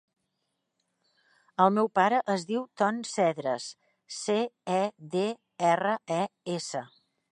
El meu pare es diu Ton Cedres: ce, e, de, erra, e, essa.